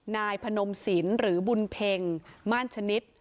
นายพนมสินหรือบุญเพ็งม่านชนิด